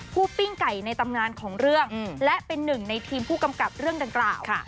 ปิ้งไก่ในตำนานของเรื่องและเป็นหนึ่งในทีมผู้กำกับเรื่องดังกล่าว